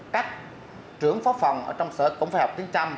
các trưởng phó phòng ở trong sở công phái học tiếng trăm